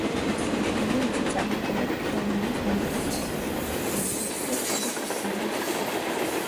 აღსანიშნავია მისი წარმატება თელონიუს მონკის საერთაშორისო კონკურსზე, სადაც ის ფინალისტი გახდა.